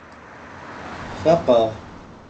Faqeɣ.